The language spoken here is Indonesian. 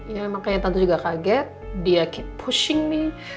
ya makanya tante juga kaget dia keep pushing me